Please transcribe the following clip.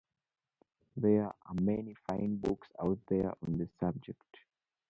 There are many fine books out there on the subject.